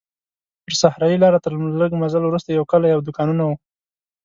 پر صحرایي لاره تر لږ مزل وروسته یو کلی او دوکانونه وو.